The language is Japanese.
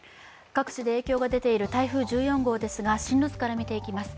各地で影響が出ている台風１４号ですが、進路図から見ていきます。